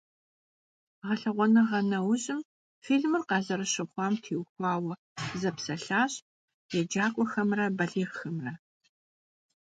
Гъэлъэгъуэныгъэ нэужьым фильмыр къазэрыщыхъуам теухуауэ зэпсэлъащ еджакӀуэхэмрэ балигъхэмрэ.